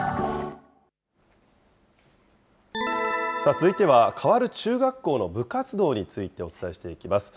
続いては、変わる中学校の部活動についてお伝えしていきます。